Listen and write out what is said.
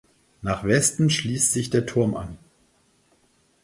Nach Westen schließt sich der Turm an.